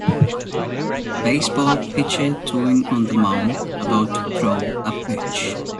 baseball pitcher doing on the mound about to throw a pitch